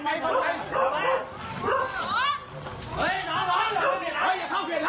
เอาไว้หมดไป